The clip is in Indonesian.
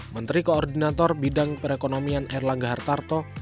menteri koordinator bidang perekonomian erlangga hartarto